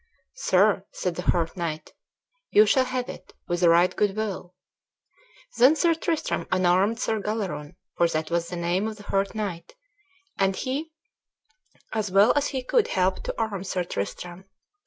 "Sir," said the hurt knight, "you shall have it, with a right good will," Then Sir Tristram unarmed Sir Galleron, for that was the name of the hurt knight, and he as well as he could helped to arm Sir Tristram.